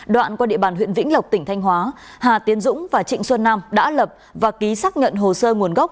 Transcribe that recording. đoạn qua địa bàn huyện vĩnh lộc tỉnh thanh hóa hà tiến dũng và trịnh xuân nam đã lập và ký xác nhận hồ sơ nguồn gốc